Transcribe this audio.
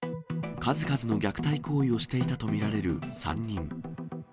数々の虐待行為をしていたと見られる３人。